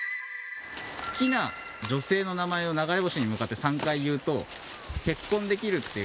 好きな女性の名前を流れ星に向かって３回言うと結婚できるっていう。